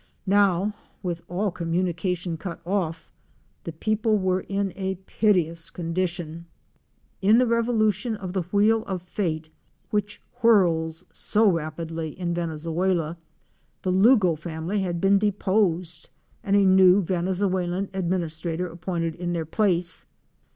Now with all communication cut off the people were in a piteous condition. In the revolution of the Wheel of Fate — which whirls so rapidly in Venezuela, — the Lugo family had been deposed and a new Venezuelan administrator appointed in their Fic. 55. Guarauno INDIAN PAPoosE. place.